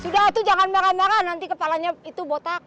sudah atuh jangan marah marah nanti kepalanya itu botak